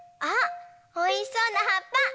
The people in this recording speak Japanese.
あっおいしそうなはっぱ。